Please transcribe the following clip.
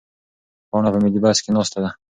پاڼه په ملي بس کې ناسته ده.